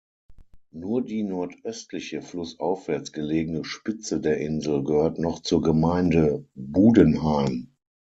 Nur die nordöstliche, flussaufwärts gelegene Spitze der Insel gehört noch zur Gemeinde Budenheim.